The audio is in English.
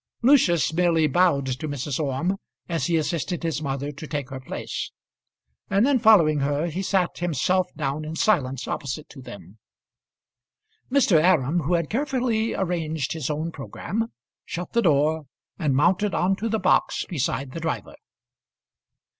Lucius merely bowed to Mrs. Orme as he assisted his mother to take her place; and then following her, he sat himself down in silence opposite to them. Mr. Aram, who had carefully arranged his own programme, shut the door, and mounted on to the box beside the driver.